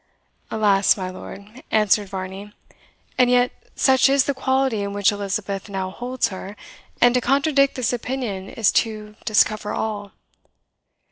"Alas! my lord," answered Varney, "and yet such is the quality in which Elizabeth now holds her; and to contradict this opinion is to discover all."